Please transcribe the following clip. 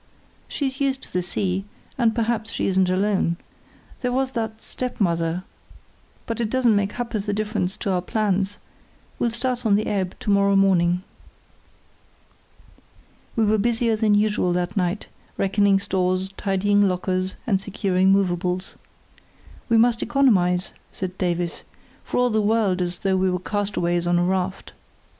"She's used to the sea—and perhaps she isn't alone. There was that stepmother—— But it doesn't make a ha'porth of difference to our plans; we'll start on the ebb to morrow morning." We were busier than usual that night, reckoning stores, tidying lockers, and securing movables. "We must economise," said Davies, for all the world as though we were castaways on a raft.